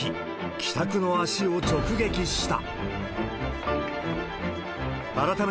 帰宅の足を直撃した。